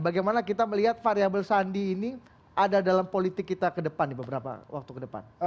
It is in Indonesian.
bagaimana kita melihat variable sandi ini ada dalam politik kita ke depan nih beberapa waktu ke depan